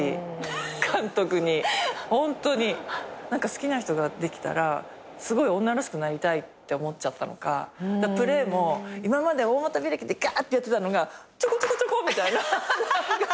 好きな人ができたらすごい女らしくなりたいって思っちゃったのかプレーも今まで大股開きでがってやってたのがちょこちょこちょこみたいな。